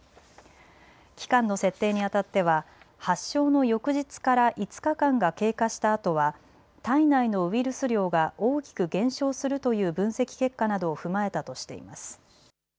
期間の設定にあたっては発症の翌日から５日間が経過したあとは体内のウイルス量が大きく減少するという分析結果などを踏まえたとしています。